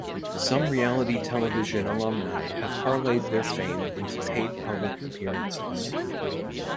Some reality-television alumni have parlayed their fame into paid public appearances.